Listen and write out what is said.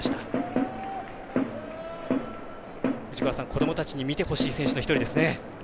子どもたちに見てほしい選手の１人ですね。